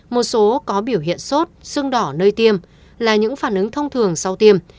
một số có biểu hiện sốt sưng đỏ nơi tiêm là những phản ứng thông thường sau tiêm